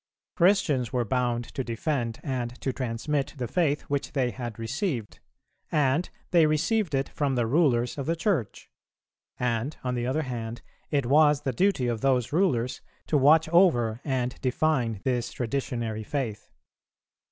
Christians were bound to defend and to transmit the faith which they had received, and they received it from the rulers of the Church; and, on the other hand, it was the duty of those rulers to watch over and define this traditionary faith.